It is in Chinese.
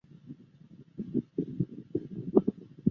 罹难人员的亲人第一次回到了坠机现场。